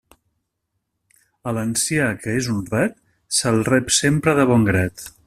A l'ancià que és honrat, se'l rep sempre de bon grat.